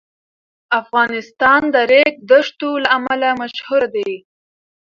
افغانستان د ریګ دښتو له امله مشهور دی.